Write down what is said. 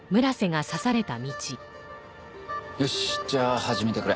よしじゃあ始めてくれ。